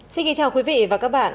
xin kính chào quý vị và các bạn